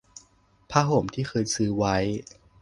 ผ้าห่มที่เคยซื้อไว้